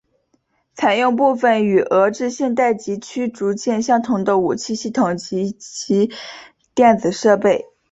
采用部分与俄制现代级驱逐舰相同的武器系统以及电子设备。